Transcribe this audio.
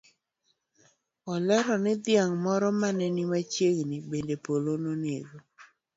Olero ni dhiang' moro mane ni machiegni bende polo ne onego.